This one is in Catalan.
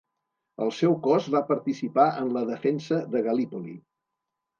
El seu cos va participar en la defensa de Gallipoli.